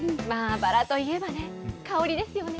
バラといえばね、香りですよね。